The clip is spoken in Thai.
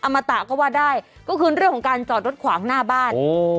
มาตะก็ว่าได้ก็คือเรื่องของการจอดรถขวางหน้าบ้าน